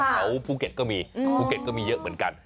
แถวภูเก็ตก็มีภูเก็ตก็มีเยอะเหมือนกัน